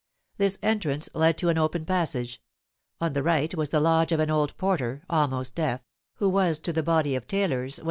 This entrance led to an open passage; on the right was the lodge of an old porter, almost deaf, who was to the body of tailors what M.